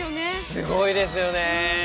すごいですよね。